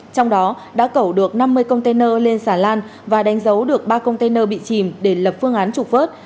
trong đó đã cẩu được năm mươi container lên xà lan và đánh dấu được ba container bị chìm để lập phương án trục vớt